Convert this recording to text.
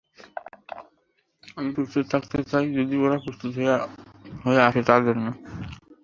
আমি প্রস্তুত থাকতে চাই, যদি ওরা প্রস্তুত হয়ে আসে তার জন্য।